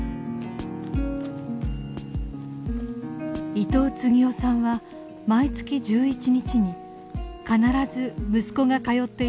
伊東次男さんは毎月１１日に必ず息子が通っていた高校を訪れます。